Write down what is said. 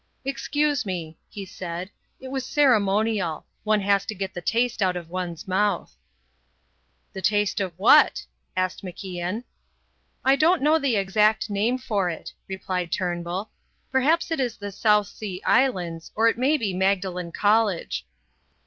"Excuse me," he said; "it was ceremonial. One has to get the taste out of one's mouth." "The taste of what?" asked MacIan. "I don't know the exact name for it," replied Turnbull. "Perhaps it is the South Sea Islands, or it may be Magdalen College."